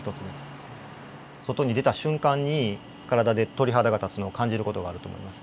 外に出た瞬間に体で鳥肌が立つのを感じる事があると思います。